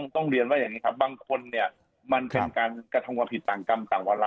ต้องเรียนว่าอย่างนี้ครับบางคนเนี่ยมันเป็นการกระทำความผิดต่างกรรมต่างวาระ